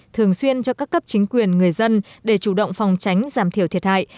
thường xuyên cho các cấp chính quyền người dân để chủ động phòng tránh giảm thiểu thiệt hại